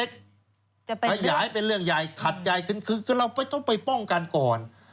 ขยายเป็นเรื่องใหญ่ขัดใหญ่ขึ้นคือเราต้องไปป้องกันก่อน